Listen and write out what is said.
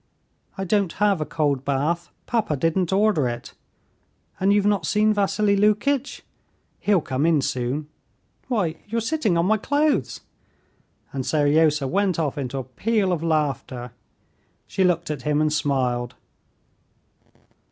"I don't have a cold bath, papa didn't order it. And you've not seen Vassily Lukitch? He'll come in soon. Why, you're sitting on my clothes!" And Seryozha went off into a peal of laughter. She looked at him and smiled.